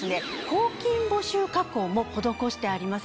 抗菌防臭加工も施してあります。